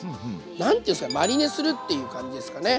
何て言うんすかマリネするっていう感じですかね。